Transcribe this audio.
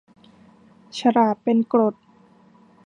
ฉลาดเป็นกรด